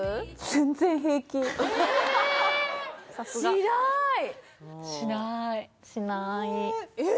しないしないえ！